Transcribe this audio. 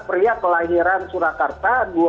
pria kelahiran surakarta